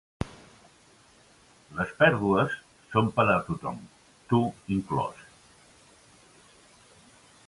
Les pèrdues són per a tothom, tu inclòs.